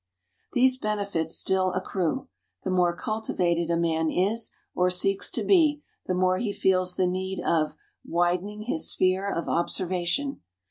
These benefits still accrue. The more cultivated a man is, or seeks to be, the more he feels the need of "widening his sphere of observation."